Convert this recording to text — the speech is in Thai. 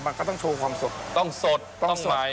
มันก็ต้องโชว์ความสดต้องสดต้องใหม่